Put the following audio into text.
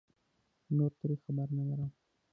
نور ترې خبر نه لرم